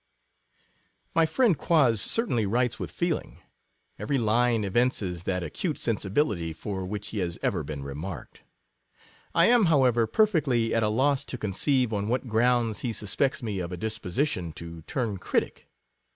My friend Quoz certainly writes with feel ing; every line evinces that acute sensibility for which he has ever been remarked. I am, however, perfectly at a loss to conceive on whatgrounds he suspects me of a disposition to turn critic.